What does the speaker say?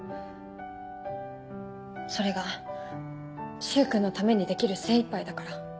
それが柊君のためにできる精いっぱいだから。